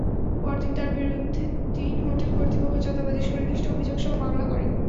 পরদিন তাঁর বিরুদ্ধে তিন হোটেল কর্তৃপক্ষ চাঁদাবাজির সুনির্দিষ্ট অভিযোগসহ মামলা করে।